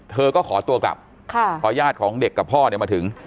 เธอก็ขอตัวกลับพอญาติของเด็กกับพ่อเนี่ยมาถึง